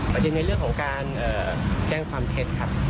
ในเรื่องของการแจ้งความเท็จครับ